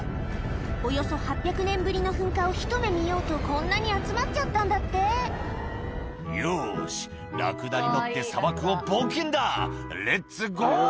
およそ８００年ぶりの噴火を一目見ようとこんなに集まっちゃったんだって「よしラクダに乗って砂漠を冒険だ」「レッツゴー！」